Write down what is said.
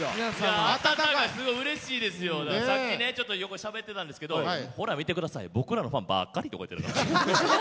さっきね横でしゃべってたんですけど「ほら見て下さい僕らのファンばっかり」。